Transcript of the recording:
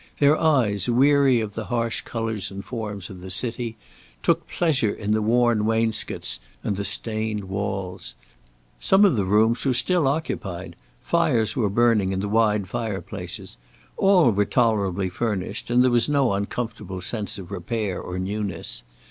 Their eyes, weary of the harsh colours and forms of the city, took pleasure in the worn wainscots and the stained walls. Some of the rooms were still occupied; fires were burning in the wide fire places. All were tolerably furnished, and there was no uncomfortable sense of repair or newness.